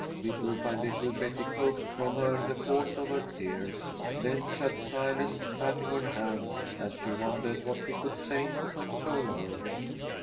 Little by little Betty coaxed from her the cause of her tears, then sat silent, patting her hand, as she wondered what she could say to console her.